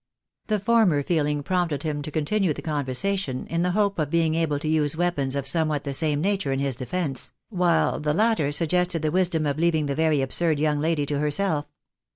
The former feeling prompted him to continue the con versation, in the hope of being able to use weapons of somewhat the same nature in his defence, while the latter suggested the wisdom of leaving the very absurd young lady to herself.